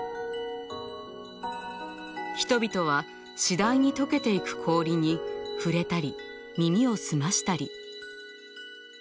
人々は次第に解けていく氷に触れたり耳を澄ましたり。